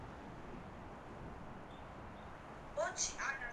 ქართულად უმეტესად თბილიში საუბრობენ.